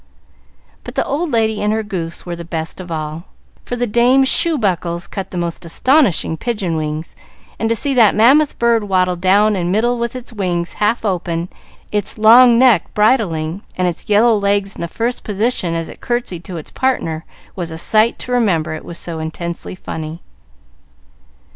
But the old lady and her goose were the best of all, for the dame's shoe buckles cut the most astonishing pigeon wings, and to see that mammoth bird waddle down the middle with its wings half open, its long neck bridling, and its yellow legs in the first position as it curtsied to its partner, was a sight to remember, it was so intensely funny.